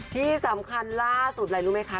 ที่สำคัญล่าสุดอะไรรู้ไหมคะ